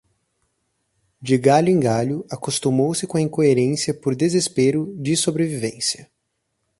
De galho em galho, acostumou-se com a incoerência por desespero de sobrevivência